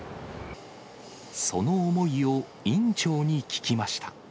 その思いを院長に聞きました。